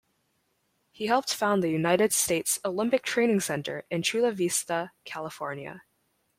He helped found the United States Olympic Training Center in Chula Vista, California.